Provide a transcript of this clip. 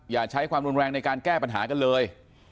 อย่าใช้ความรุนแรงในการแก้ปัญหากันเลย